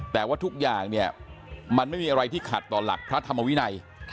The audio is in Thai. แต่ว่าทุกอย่างเนี่ยมันไม่มีอะไรที่ขัดต่อหลักพระธรรมวินัย